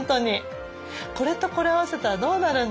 これとこれを合わせたらどうなるんだろうとか。